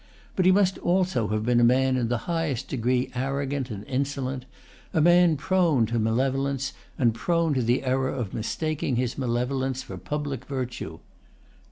But he must also have been a man in the highest degree arrogant and insolent, a man prone to malevolence, and prone to the error of mistaking his malevolence for public virtue.